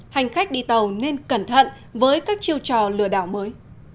hành khách đi tàu nên cẩn thận với các chiêu trò lừa đảo mới